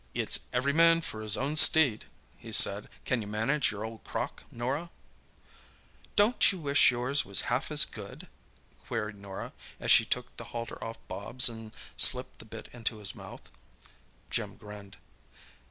"It's every man for his own steed," he said. "Can you manage your old crock, Norah?" "Don't you wish yours was half as good?" queried Norah, as she took the halter off Bobs and slipped the bit into his mouth. Jim grinned.